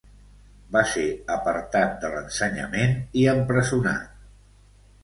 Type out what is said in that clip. Va ser apartat de l'ensenyament i empresonat.